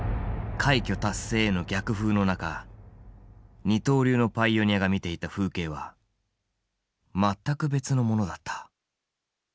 快挙達成への逆風の中二刀流のパイオニアが見ていた風景は全く別のものだった。